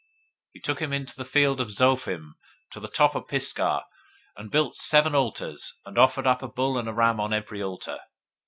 023:014 He took him into the field of Zophim, to the top of Pisgah, and built seven altars, and offered up a bull and a ram on every altar.